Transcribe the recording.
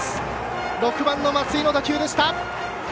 ６番の松井の打球でした。